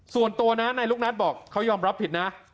ส่วนตัวนะนายลูกนัทบอกเขายอมรับผิดนะ